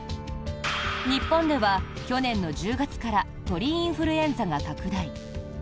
日本では、去年の１０月から鳥インフルエンザが拡大。